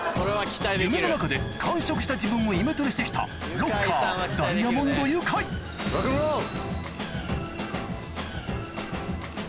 夢の中で完食した自分をイメトレして来たロッカーダイアモンドユカイロックンロール！